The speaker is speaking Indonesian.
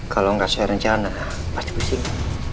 kalau nggak sesuai rencana pasti pusing